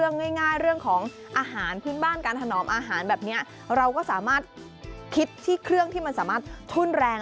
ในพื้นบ้านการถนอมอาหารแบบนี้เราก็สามารถคิดที่เครื่องที่มันสามารถทุ่นแรง